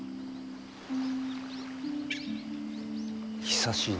久しいな。